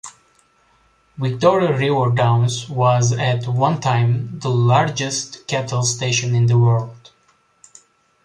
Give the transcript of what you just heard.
Victoria River Downs was at one time the largest cattle station in the world.